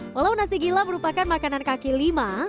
walau nasi gila merupakan makanan kaki lima